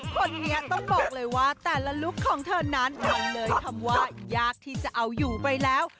คนนี้ต้องบอกเลยว่าแต่ละลุคของเธอนั้นมันเลยคำว่ายากที่จะเอาอยู่ไปแล้ว